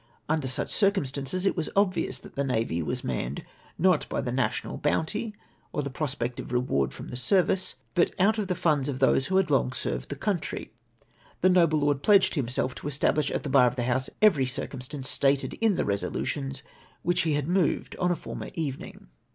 Under such circumstances it was obvious that the navy was manned not by the national bounty or the prospect of reward from the service, but out of the funds of those who had long served their country. The noble lord pledged himself to establish at the bar of the House every circumstance stated in the resolutions which he had moved on a former evening.